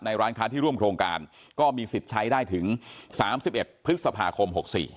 ร้านค้าที่ร่วมโครงการก็มีสิทธิ์ใช้ได้ถึง๓๑พฤษภาคม๖๔